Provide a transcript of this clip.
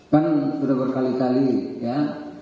kan sudah berkali kali ya